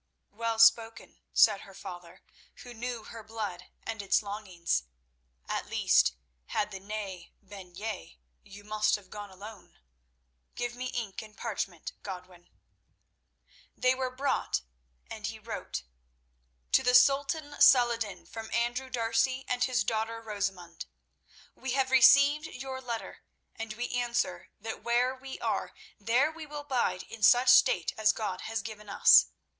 "Well spoken," said her father, who knew her blood and its longings. "At least, had the 'nay' been 'yea,' you must have gone alone. Give me ink and parchment, Godwin." They were brought, and he wrote: "To the Sultan Saladin, from Andrew D'Arcy and his daughter Rosamund. "We have received your letter, and we answer that where we are there we will bide in such state as God has given us.